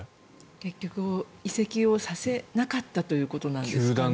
結局、移籍をさせなかったということなんですかね。